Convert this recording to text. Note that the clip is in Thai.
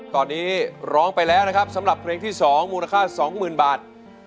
ตอนนี้ร้องไปแล้วนะครับสำหรับเพลงที่๒มูลค่า๒๐๐๐บาท